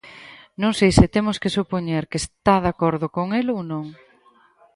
Non sei se temos que supoñer que está de acordo con el ou non.